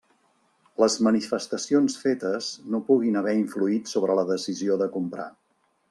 Les manifestacions fetes no puguin haver influït sobre la decisió de comprar.